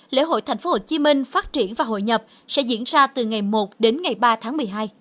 lễ hội tp hcm phát triển và hội nhập sẽ diễn ra từ ngày một đến ngày ba tháng một mươi hai